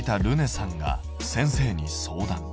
さんが先生に相談。